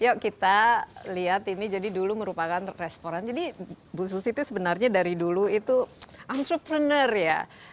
yuk kita lihat ini jadi dulu merupakan restoran jadi bu susi itu sebenarnya dari dulu itu entrepreneur ya